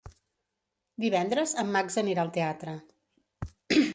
Divendres en Max anirà al teatre.